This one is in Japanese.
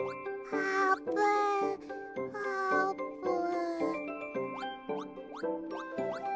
あーぷあーぷん？